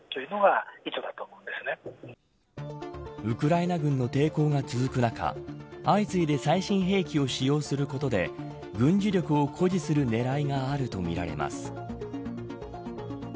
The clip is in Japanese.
ウクライナ軍の抵抗が続く中相次いで最新兵器を使用することで軍事力を誇示する狙いがあるとみられます。